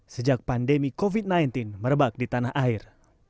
sejak pandemi covid sembilan belas merebak di tanah air